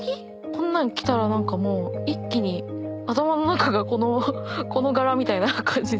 こんなん着たら何かもう一気に頭の中がこの柄みたいな感じで。